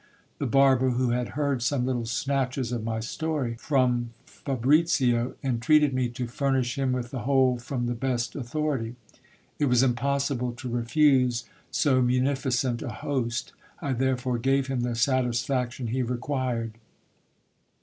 The barber, who had heard some little snatches of my story from Fabricio, en treated me to furnish him with the whole from the best authority. It was im possible to refuse so munificent a host ; I therefore gave him the satisfaction he required.